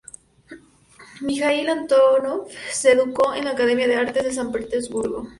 Mijaíl Antónov se educó en la Academia de artes de San Petersburgo.